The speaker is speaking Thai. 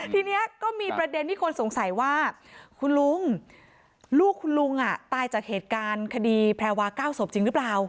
ทีนี้ก็มีประเด็นที่คนสงสัยว่าคุณลุงลูกคุณลุงตายจากเหตุการณ์คดีแพรวา๙ศพจริงหรือเปล่า